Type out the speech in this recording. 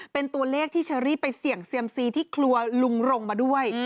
เป็นตัวเลขที่เชอรี่ไปเสี่ยงเซียมซีที่ครัวลุงรงมาด้วย